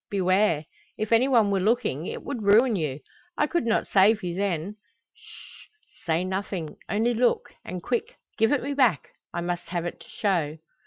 Beware! If any one were looking, it would ruin you. I could not save you then. Sh! say nothing, only look, and quick, give it me back. I must have it to show."